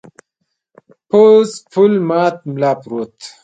پوخ پل ماته ملا پروت و.